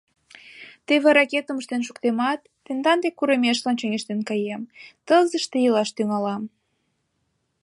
Теве ракетым ыштен шуктемат, тендан деч курымешлан чоҥештен каем, Тылзыште илаш тӱҥалам.